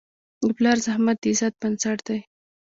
د پلار زحمت د عزت بنسټ دی.